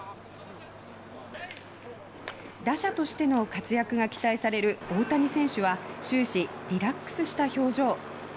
打者としての活躍が期待される大谷選手は終始リラックスした表情。